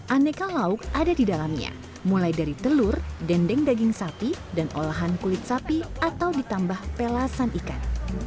aneka lauk ada di dalamnya mulai dari telur dendeng daging sapi dan olahan kulit sapi atau ditambah pelasan ikan